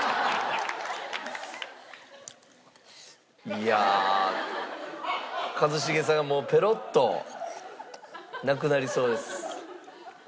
いやあ一茂さんがもうペロッとなくなりそうです。